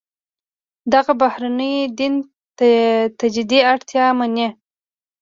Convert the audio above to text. دغه بهیرونه دین تجدید اړتیا مني.